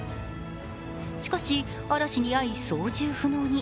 しかし、嵐に遭い操縦不能に。